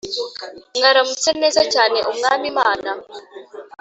Mwaramutse neza cyane umwami mana